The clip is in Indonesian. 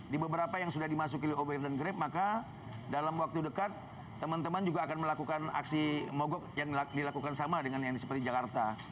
di beberapa yang sudah dimasuki oleh ober dan grab maka dalam waktu dekat teman teman juga akan melakukan aksi mogok yang dilakukan sama dengan yang seperti jakarta